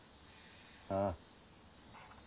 ああ。